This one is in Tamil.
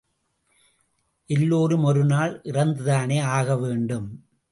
எல்லோரும் ஒரு நாள் இறந்து தானே ஆக வேண்டும்?